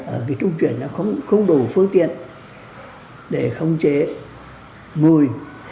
ở cái trung chuyển nó không đủ phương tiện để không chế mùi